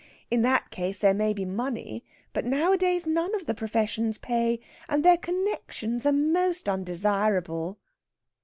In that case there may be money. But nowadays none of the professions pay. And their connexions are most undesirable.'"